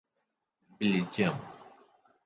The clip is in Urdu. بیلجیم